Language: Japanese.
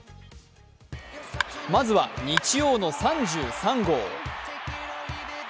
まずは日曜の３３号。